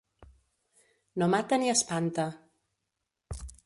No mata ni espanta.